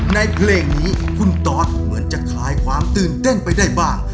ในเพลงนี้คุณตอสเหมือนจะคลายความตื่นเต้นไปได้บ้าง